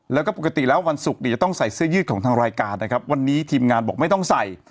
แล้วก็ปกติแล้ววันศุกร์เนี่ยจะต้องใส่เสื้อยืดของทางรายการนะครับวันนี้ทีมงานบอกไม่ต้องใส่